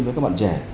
với các bạn trẻ